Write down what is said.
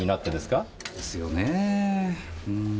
ですよねうん。